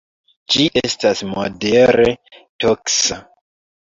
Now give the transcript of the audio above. Ĝi estas modere toksa.